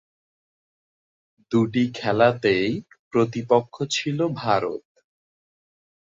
দুটি খেলাতেই প্রতিপক্ষ ছিল ভারত।